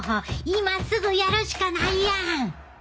今すぐやるしかないやん。